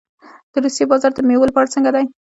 د روسیې بازار د میوو لپاره څنګه دی؟